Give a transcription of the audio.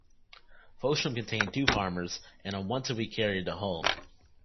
Fosham contained two farmers, and a once a week carrier to Hull.